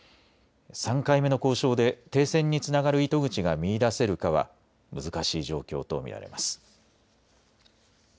３回目の交渉で停戦につながる糸口が見いだせるかは難しい状況とみられます。